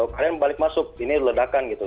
kalian balik masuk ini ledakan gitu